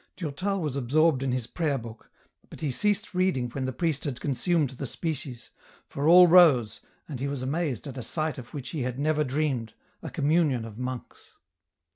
Durtal was absorbed in his prayer book, but he ceased reading when the priest had consumed the Species, for all rose, and he was amazed at a sight of which he had never dreamed, a communion of monks.